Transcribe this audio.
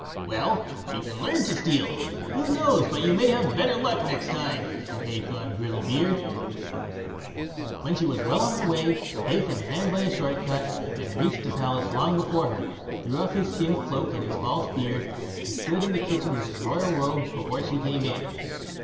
"Well, you can learn to steal; who knows but you may have better luck next time", said Hacon Grizzlebeard. When she was well on her way, Hacon ran by a short cut, reached the palace long before her, threw off his skin cloak and false beard, and stood in the kitchen with his royal robes before she came in.